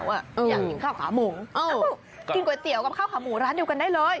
อยากกินข้าวขาหมูกินก๋วยเตี๋ยวกับข้าวขาหมูร้านเดียวกันได้เลย